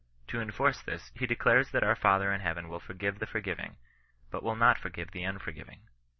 To enforce this he declares that our Father in heaven will forgive the forgiving, but will not forgive the unforgiving.